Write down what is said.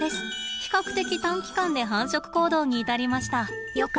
比較的短期間で繁殖行動に至りました。